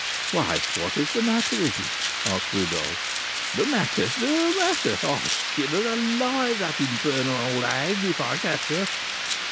"Why, what is the matter with you?" asked Rodolph. "The matter! the matter! I'll skin her alive, that infernal old hag, if I can catch her!